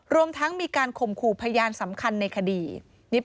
รวมทั้งมีการข่มขู่พยานสำคัญในคดี